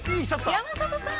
◆山里さん。